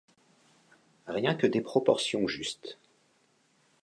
Rien que des proportions justes.